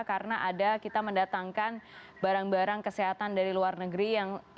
karena ada kita mendatangkan barang barang kesehatan dari luar negeri yang